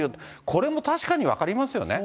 これも確かに分かりますよね。